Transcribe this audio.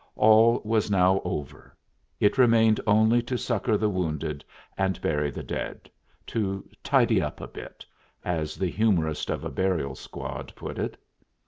All was now over; it remained only to succor the wounded and bury the dead to "tidy up a bit," as the humorist of a burial squad put it.